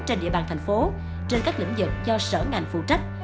trên địa bàn thành phố trên các lĩnh vực do sở ngành phụ trách